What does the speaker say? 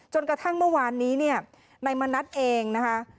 จนกระทั่งเมื่อวานนี้ในมณัฐเองนะครับ